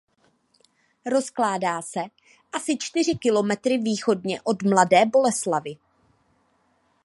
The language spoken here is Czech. Rozkládá se asi čtyři kilometry východně od Mladé Boleslavi.